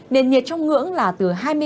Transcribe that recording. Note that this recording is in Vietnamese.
nền nhiệt trong ngưỡng là từ hai mươi ba